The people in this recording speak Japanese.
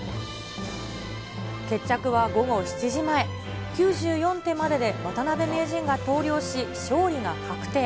決着は午後７時前、９４手までで渡辺名人が投了し、勝利が確定。